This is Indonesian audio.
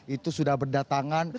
itu sudah berdatangan